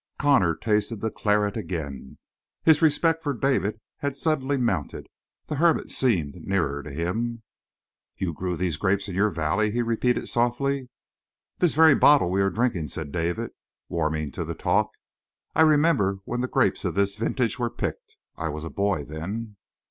Connor tasted the claret again. His respect for David had suddenly mounted; the hermit seemed nearer to him. "You grew these grapes in your valley?" he repeated softly. "This very bottle we are drinking," said David, warming to the talk. "I remember when the grapes of this vintage were picked; I was a boy, then."